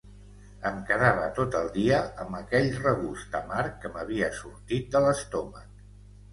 Em quedava tot el dia amb aquell regust amarg que m'havia sortit de l'estómac.